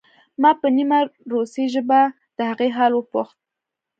ما په نیمه روسۍ ژبه د هغې حال وپوښت